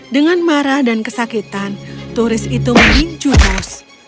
dengan marah dan kesakitan turis itu meninju maus